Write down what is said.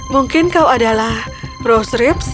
mungkin kau adalah rose ribs